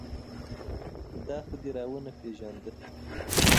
دا خو دې را و نه پېژانده.